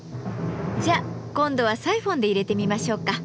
じゃあ今度はサイフォンでいれてみましょうか。